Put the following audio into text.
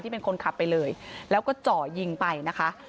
เป็นคนขับไปเลยแล้วก็เจาะยิงไปนะคะ